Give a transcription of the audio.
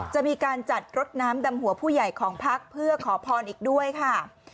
จะมีการจัดรถน้ำดำหัวผู้ใหญ่ของพักเพื่อขอพรอีกด้วยค่ะ